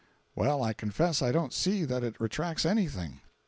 "Well, I confess I don't see that it retracts anything."